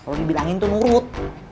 gak ada yang bilangin tuh nurut